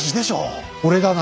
俺だな。